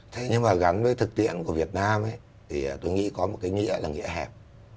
thế nhưng mà gắn với thực tiễn của việt nam thì tôi nghĩ có một cái nghĩa là nhẹ hẹp